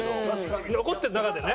残ってる中でね。